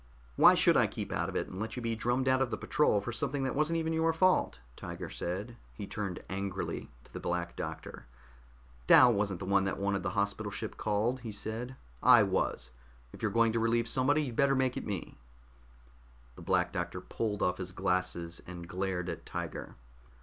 "Why should I keep out of it and let you be drummed out of the patrol for something that wasn't even your fault?" Tiger said. He turned angrily to the Black Doctor. "Dal wasn't the one that wanted the hospital ship called," he said. "I was. If you're going to relieve somebody, you'd better make it me." The Black Doctor pulled off his glasses and glared at Tiger.